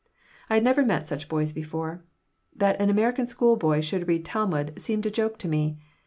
I had never met such boys before. That an American school boy should read Talmud seemed a joke to me.